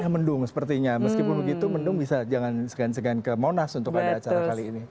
mendung sepertinya meskipun begitu mendung bisa jangan segan segan ke monas untuk ada acara kali ini